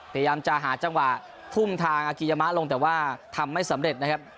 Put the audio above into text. พยายามจะหาจังหวะทุ่มทางอากิยามะลงแต่ว่าทำไม่สำเร็จนะครับ